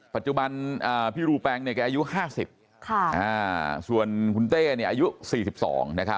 ปัจจุบันพี่รูแปงแกอายุ๕๐ส่วนคุณเต้อายุ๔๒นะครับ